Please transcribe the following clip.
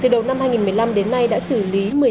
từ đầu năm hai nghìn một mươi năm đến nay đã xử lý